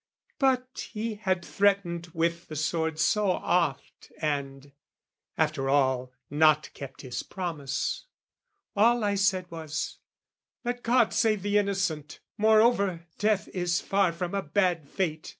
But he had threatened with the sword so oft And, after all, not kept his promise. All I said was, "Let God save the innocent! "Moreover, death is far from a bad fate.